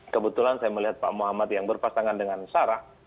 kebetulan saya melihat pak muhammad yang berpasangan dengan sarah